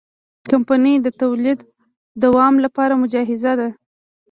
کمپنۍ د تولید دوام لپاره مجهزه ده.